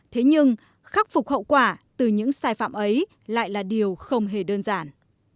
thế nhưng khắc phục hậu quả từ những sai phạm ấy lại là điều không hề đơn giản